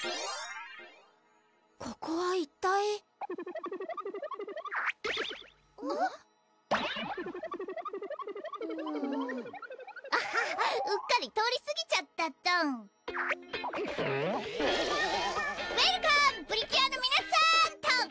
ここは一体アハうっかり通りすぎちゃったっトンウエルカムプリキュアの皆さんっトン！